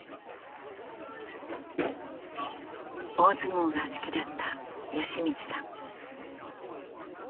大相撲が好きだった好光さん。